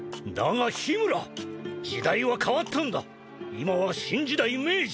今は新時代明治！